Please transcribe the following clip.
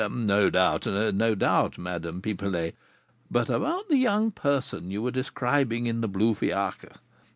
"No doubt, no doubt, Madame Pipelet; but about the young person you were describing in the blue fiacre?"